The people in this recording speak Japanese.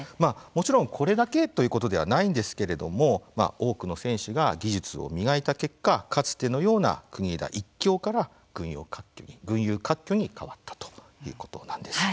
もちろん、これだけということではないんですけれども多くの選手が技術を磨いた結果かつてのような国枝一強から群雄割拠に変わったということなんです。